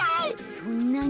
そんなに？